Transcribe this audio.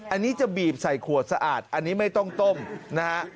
อันนี้จะบีบใส่ขวดสะอาดอันนี้ไม่ต้องต้มนะฮะ